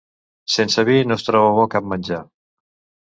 Sense vi no es troba bo cap menjar.